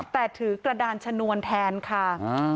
แต่ถือกระดานชนวนแทนค่ะ